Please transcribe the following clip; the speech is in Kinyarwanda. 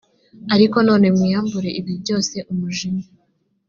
ariko none mwiyambure ibi byose umujinya